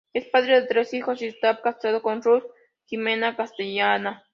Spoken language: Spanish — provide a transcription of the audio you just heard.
Es padre de tres hijos y está casado con Ruth Jimena Castañeda.